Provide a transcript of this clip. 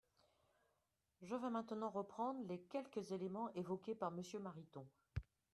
Je vais maintenant reprendre les quelques éléments évoqués par Monsieur Mariton.